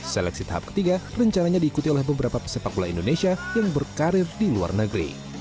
seleksi tahap ketiga rencananya diikuti oleh beberapa pesepak bola indonesia yang berkarir di luar negeri